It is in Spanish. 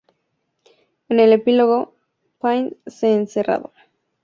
En el epílogo, Payne es encarcelado.